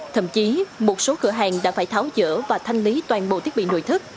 thậm chí một số cửa hàng đã phải tháo dỡ và thanh lý toàn bộ thiết bị nội thức